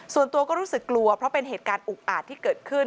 ส่วนตัวก็รู้สึกกลัวเพราะเป็นเหตุการณ์อุกอาจที่เกิดขึ้น